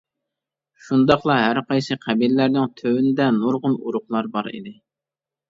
شۇنداقلا ھەر قايسى قەبىلىلەرنىڭ تۆۋىنىدە نۇرغۇن ئۇرۇقلار بار ئىدى.